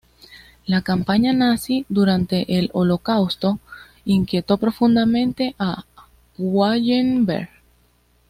La campaña nazi, durante el Holocausto, inquietó profundamente a Wallenberg.